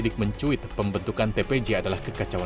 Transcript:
tim pembela jokowi